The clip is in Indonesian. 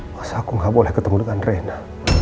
masa aku nggak boleh ketemu dengan rena